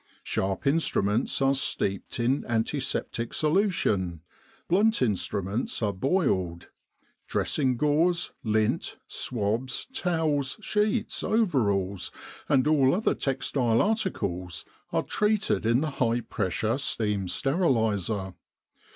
Sharp instruments are steeped in antiseptic solution. Blunt instruments are boiled. Dressing gauze, lint, swabs, towels, sheets, overalls, and all other textile articles are treated in the high pressure steam steriliser.